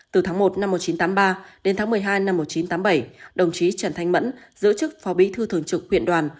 từ tháng một năm một nghìn chín trăm tám mươi ba đến tháng một mươi hai năm một nghìn chín trăm tám mươi bảy đồng chí trần thanh mẫn giữ chức phó bí thư thường trực huyện đoàn